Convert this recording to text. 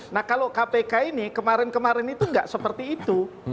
nah kalau kpk ini kemarin kemarin itu nggak seperti itu